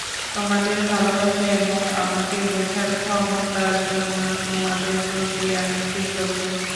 তোমাদের ভালোবাসা এবং আমাকে বোঝার ক্ষমতার জন্য তোমাদের প্রতি আমি কৃতজ্ঞ।